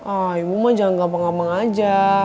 ah ibu mah jangan gampang gampang aja